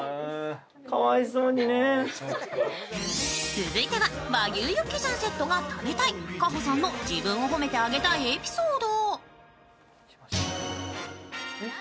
続いては和牛ユッケジャンセットが食べたい、かほさんの自分を褒めてあげたいエピソード。